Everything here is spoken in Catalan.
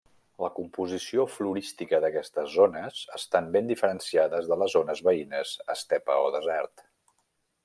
La composició florística d'aquestes zones està ben diferenciada de les zones veïnes estepa o desert.